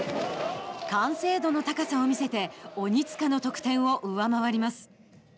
完成度の高さを見せて鬼塚の得点を上回ります。